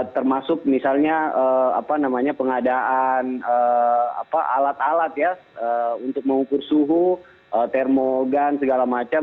termasuk misalnya pengadaan alat alat ya untuk mengukur suhu termogan segala macam